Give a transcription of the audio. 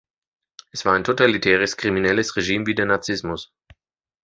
Es war ein totalitäres, kriminelles Regime wie der Nazismus.